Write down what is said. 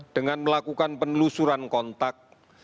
dengan melakukan penelusuran kontak